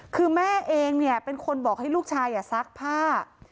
คือแม่เองเนี่ยเป็นคนบอกให้ลูกชายซักผ้า